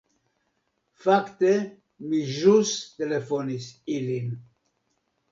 Fakte, mi ĵus telefonis ilin.